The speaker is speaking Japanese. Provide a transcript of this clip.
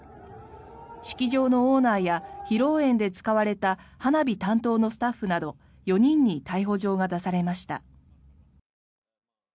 式場のオーナーや披露宴で使われた花火担当のスタッフなど４人に逮捕状が出されました。